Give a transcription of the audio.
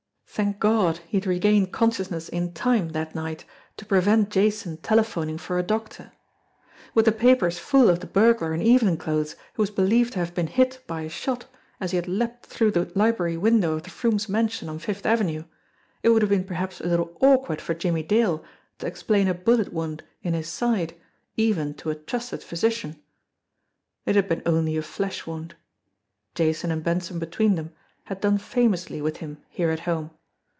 Thank God, he had re gained consciousness in time that night to prevent Jason telephoning for a doctor ! With the papers full of the bur glar in evening clothes who was believed to have been hit by a shot as he had leaped through the library window of the Froomes' mansion on Fifth Avenue, it would have been perhaps a little awkward for Jimmie Dale to explain a bullet wound in his side even to a trusted physician ! It had been only a flesh wound. Jason and Benson between them had done famously with him here at home.